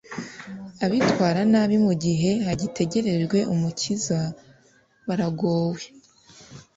abitwara nabi mu gihe hagitegerejwe umukiza baragowe